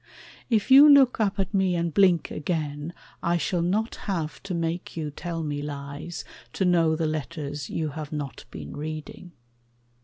If you look up at me and blink again, I shall not have to make you tell me lies To know the letters you have not been reading.